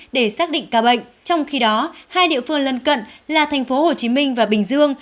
để xác định ca bệnh trong khi đó hai địa phương lân cận là thành phố hồ chí minh và bình dương